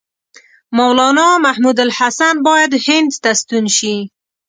مولنا محمودالحسن باید هند ته ستون شي.